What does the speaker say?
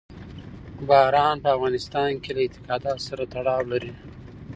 باران په افغانستان کې له اعتقاداتو سره تړاو لري.